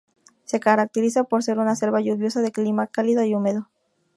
Se caracteriza por ser una selva lluviosa, de clima cálido y húmedo.